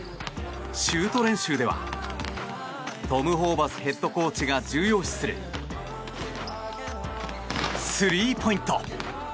シュート練習ではトム・ホーバスヘッドコーチが重要視するスリーポイント。